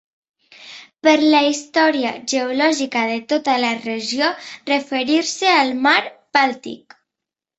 Per la història geològica de tota la regió, referir-se al Mar Bàltic.